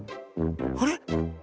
あれ？